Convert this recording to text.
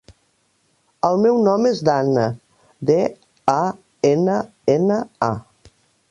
El meu nom és Danna: de, a, ena, ena, a.